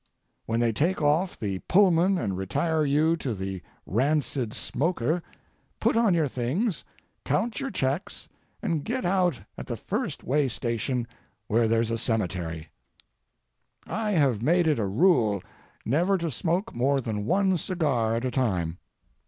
When they take off the Pullman and retire you to the rancid smoker, put on your things, count your checks, and get out at the first way station where there's a cemetery. I have made it a rule never to smoke more than one cigar at a time.